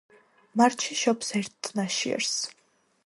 მარტში შობს ერთ ნაშიერს.